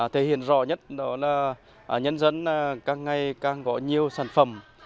thể hiện rõ nhất đó là nhân dân càng ngày càng có nhiều sản phẩm